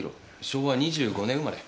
昭和２５年生まれ。